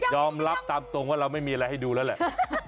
ตามตรงว่าเราไม่มีอะไรให้ดูแล้วแหละ